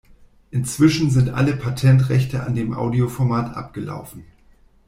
Inzwischen sind alle Patentrechte an dem Audioformat abgelaufen.